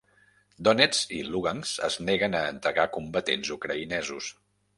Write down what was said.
Donetsk i Lugansk es neguen a entregar combatents ucraïnesos